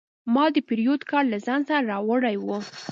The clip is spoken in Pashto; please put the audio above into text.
ما د پیرود کارت له ځان سره راوړی و.